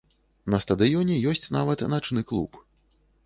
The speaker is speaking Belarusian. На стадыёне ёсць нават начны клуб.